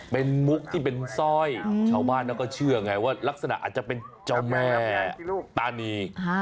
เป็นมุกที่เป็นสร้อยชาวบ้านเขาก็เชื่อไงว่ารักษณะอาจจะเป็นเจ้าแม่ตานี